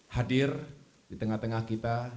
hadir di tengah tengah kita